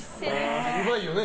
うまいよね。